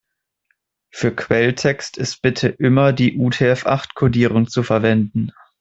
Für Quelltext ist bitte immer die UTF-acht-Kodierung zu verwenden.